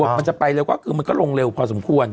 มันจะไปเร็วก็คือมันก็ลงเร็วพอสมควร